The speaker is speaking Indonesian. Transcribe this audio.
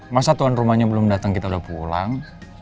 masa tuan rumahnya belum datang kita udah pulang